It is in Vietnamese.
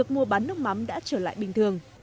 mua bán nước mắm đã trở lại bình thường